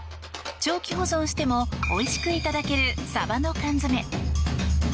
長期保存してもおいしくいただけるサバの缶詰。